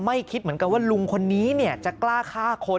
คิดเหมือนกันว่าลุงคนนี้จะกล้าฆ่าคน